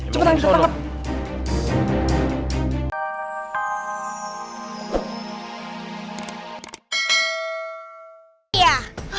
cepetan kita tangkap